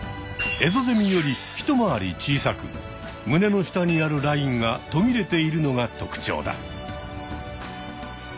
エゾゼミより一回り小さく胸の下にあるラインがとぎれているのがとくちょうだ。